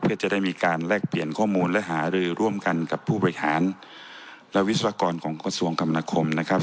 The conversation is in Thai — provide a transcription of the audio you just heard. เพื่อจะได้มีการแลกเปลี่ยนข้อมูลและหารือร่วมกันกับผู้บริหารและวิศวกรของกระทรวงกรรมนาคมนะครับ